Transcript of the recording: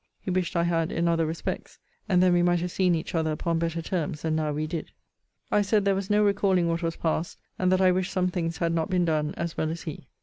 He wished I had in other respects; and then we might have seen each other upon better terms than now we did. I said there was no recalling what was passed; and that I wished some things had not been done, as well as he.